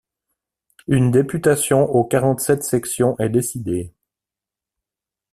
Une députation aux quarante-sept sections est décidée.